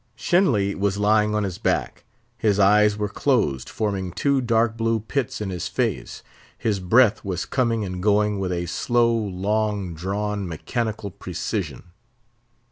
Shenly was lying on his back. His eyes were closed, forming two dark blue pits in his face; his breath was coming and going with a slow, long drawn, mechanical precision.